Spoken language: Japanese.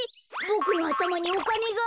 ボクのあたまにおかねが？